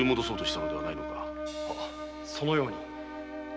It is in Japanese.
そのように。